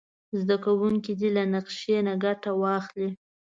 زده کوونکي دې له نقشې نه ګټه واخلي.